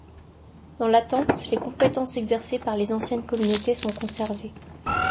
Dans l'attente, les compétences exercées par les anciennes communautés sont conservées.